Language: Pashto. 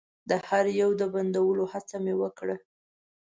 د هر يو د بندولو هڅه مې وکړه.